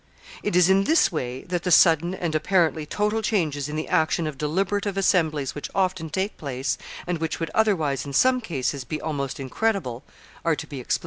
It is in this way that the sudden and apparently total changes in the action of deliberative assemblies which often take place, and which would otherwise, in some cases, be almost incredible, are to be explained.